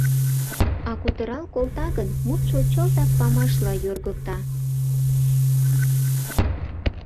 А кутырал колта гын, мутшо чылтак памашла йоргыкта.